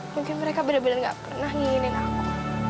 mungkin mereka bener bener gak pernah inginin aku